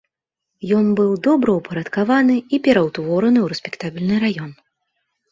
Ён быў добраўпарадкаваны і пераўтвораны ў рэспектабельны раён.